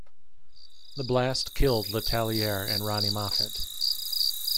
The blast killed Letelier and Ronni Moffit.